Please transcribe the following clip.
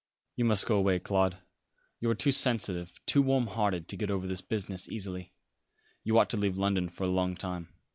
"You must go away, Claude. You are too sensitive, too warm hearted to get over this business easily. You ought to leave London for a long time."